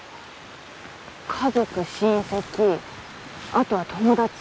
家族親戚あとは友達。